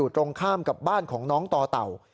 ตรงข้ามกับบ้านของน้องต่อเต่า